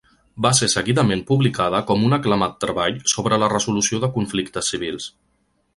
Va ser seguidament publicada com un aclamat treball sobre la resolució de conflictes civils.